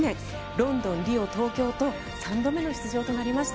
ロンドン、リオ、東京と３度目の出場となりました。